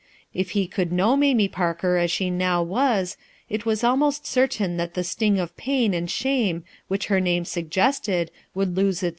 If he could know Mamie Parker as she now was, it was almost certain that tlie sting of pain and "TWO, AXDTWO, AX DTWo .. :bsme which her name suggested Would lose it.